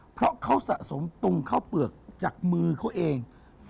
เพราะเขาสะสมตุงข้าวเปลือกจากมือเขาเอง